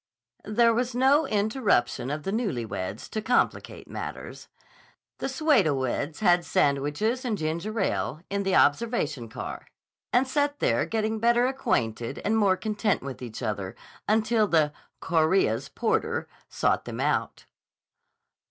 There was no irruption of the newly weds to complicate matters. The pseudo weds had sandwiches and ginger ale in the observation car and sat there getting better acquainted and more content with each other until the "Chorea's" porter sought them out.